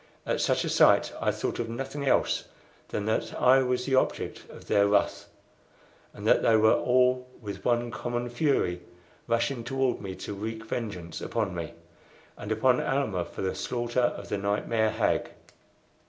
At such a sight I thought of nothing else than that I was the object of their wrath, and that they were all with one common fury rushing toward me to wreak vengeance upon me and upon Almah for the slaughter of the nightmare hag.